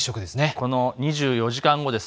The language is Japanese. この２４時間後です。